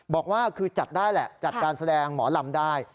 บอกว่าคือจัดได้แหละจัดการแสดงหมอลำได้